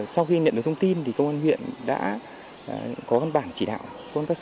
sau khi nhận được thông tin thì công an huyện đã có văn bản chỉ đạo công an phát xã